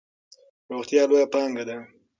روغتیا لویه پانګه ده.